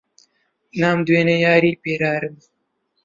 نامدوێنێ یاری پێرارم